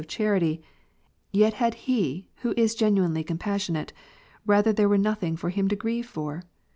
injury of unreal sympathy, 31 charity ; yet had he, who is genuinely compassionate, rather there were nothing for him to grieve for.